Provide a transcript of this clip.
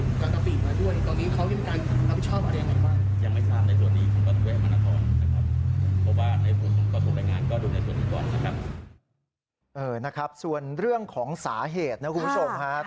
ตอนนี้เขากำลังคิดวิทยาพิชาปำอะไรมาบ้าง